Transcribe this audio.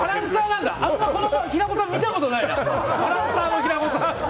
こんな平子さん見たことないなバランサーの平子さん。